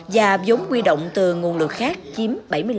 và giống quy động từ nguồn lực khác chiếm bảy mươi năm